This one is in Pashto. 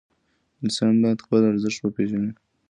انسان باید خپل ارزښت وپېژني.